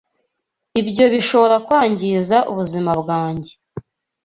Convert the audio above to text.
Ibyo bishobora kwangiza ubuzima bwanjye.